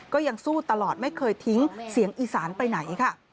ก็ยังสู้ตลอดไม่เคยทิ้งเสียงอีสานไปไหนค่ะ